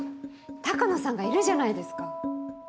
鷹野さんがいるじゃないですか。